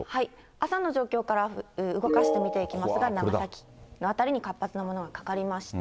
朝の状況から動かして見ていきますが、長崎県の辺りに活発なものがかかりました。